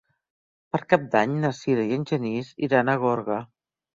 Per Cap d'Any na Sira i en Genís iran a Gorga.